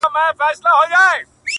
ستا د هجران په تبه پروت یم مړ به سمه!.